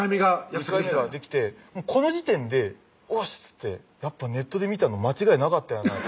２回目ができてこの時点で「おし！」っつってやっぱネットで見たの間違いなかったんやな